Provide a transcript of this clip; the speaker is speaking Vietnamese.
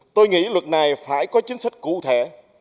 tôi nghĩ luật này phải có chính sách cụ thể